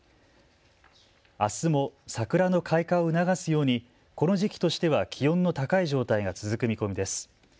あすも桜の開花を促すようにこの時期としては気温の高い状態が続く見込みです。